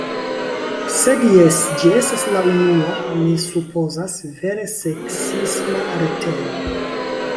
Sed jes, ĝi estas la unua, mi supozas, vere seksisma retejo.